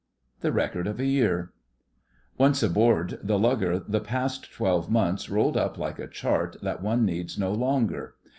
THE RECORD OF A YEAR Once aboard the lugger the past twelve months rolled up like a chart that one needs no longer.